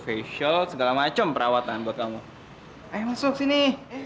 facial segala macem perawatan buat kamu masuk sini